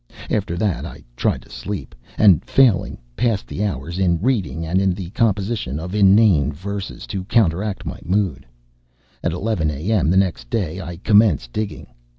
After that I tried to sleep; and failing, passed the hours in reading and in the composition of inane verses to counteract my mood. At eleven a. m. the next day I commenced digging.